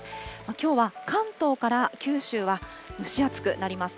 きょうは関東から九州は蒸し暑くなります。